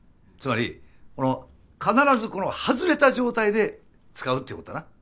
つまり必ずこの外れた状態で使うってことだな。